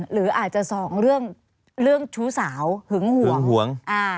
หรืออาจจะสองเรื่องชู้สาวหึงห่วงห่วง